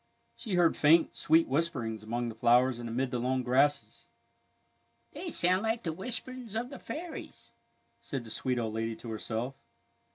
She heard faint, sweet whisperings among the flowers and amid the long grasses. " They sound like the whisperings of the fairies," said the sweet old lady to herself.